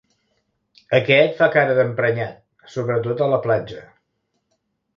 Aquest fa cara d'emprenyat, sobretot a la platja.